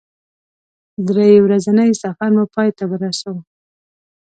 درې ورځنی سفر مو پای ته ورساوه.